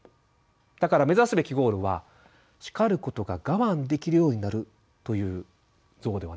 だから目指すべきゴールは「叱ることが我慢できるようになる」という像ではないんです。